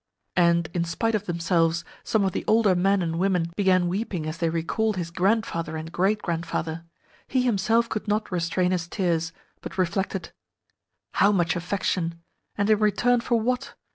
and, in spite of themselves, some of the older men and women began weeping as they recalled his grandfather and great grandfather, he himself could not restrain his tears, but reflected: "How much affection! And in return for what?